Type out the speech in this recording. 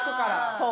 そう。